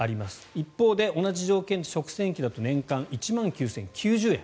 一方で、同じ条件で食洗機だと年間１万９０９０円。